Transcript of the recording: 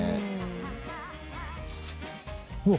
うわ！